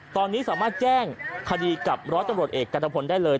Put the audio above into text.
ตอนนี้สามารถแจ้งคดีกับร้อยตำรวจเอกกันตะพลได้เลย